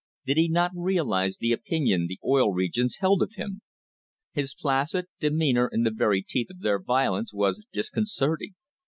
Did he not realise the opinion the Oil Regions held of him? His placid de meanour in the very teeth of their violence was discon certing.